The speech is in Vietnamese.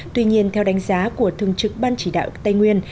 tuy nhiên theo đánh giá của thương chức ban chỉ đạo tây nguyên